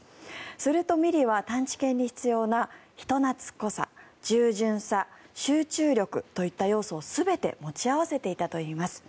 するとミリは探知犬に必要な人懐っこさ従順さ、集中力などを全て持ち合わせていたといいます。